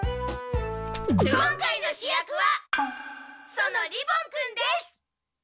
今回の主役はその利梵君です！